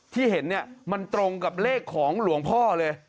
ที่เห็นเนี่ยมันตรงกับเลขของหลวงพ่อเลย